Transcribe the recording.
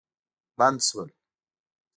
بند سول.